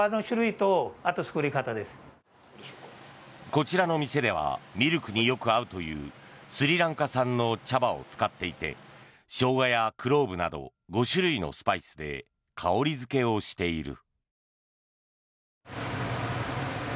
こちらの店ではミルクによく合うというスリランカ産の茶葉を使っていてショウガやクローブなど５種類のスパイスで香りづけをしている。